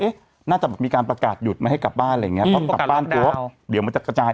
น่าจะมีการประกาศหยุดไม่ให้กลับบ้านอะไรอย่างเงี้เพราะกลับบ้านกลัวเดี๋ยวมันจะกระจาย